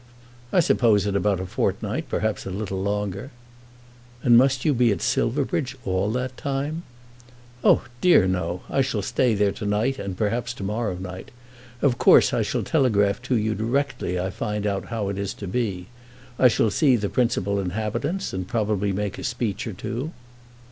"I suppose in about a fortnight; perhaps a little longer." "And must you be at Silverbridge all that time?" "Oh dear no. I shall stay there to night, and perhaps to morrow night. Of course I shall telegraph to you directly I find how it is to be. I shall see the principal inhabitants, and probably make a speech or two."